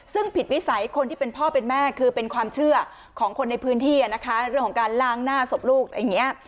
ซึ่งผิดวิสัยคนที่เป็นพ่อเป็นแม่คือเป็นความเชื่อของคนในพื้นที่นะคะเรื่องของการล้างหน้าศพลูกอย่างนี้